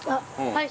はい。